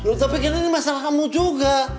loh tapi gini masalah kamu juga